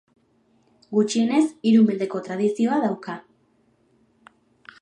Gutxienez hiru mendeko tradizioa dauka.